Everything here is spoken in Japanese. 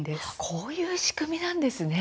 こういう仕組みなんですね。